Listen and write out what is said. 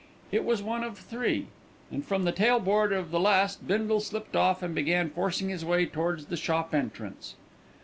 It was one of three, and from the tail board of the last Bindle slipped off and began forcing his way towards the shop entrance.